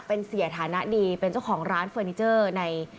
เป็นเสียฐานะดีเป็นเจ้าของร้านเฟอร์นิเจอร์ใน